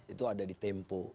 itu ada di tempo